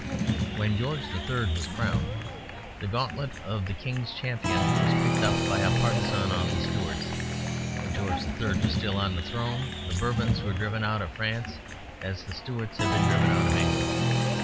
When George III was crowned the gauntlet of the King's Champion was picked up by a partisan of the Stuarts. When George III was still on the throne the Bourbons were driven out of France as the Stuarts had been driven out of England.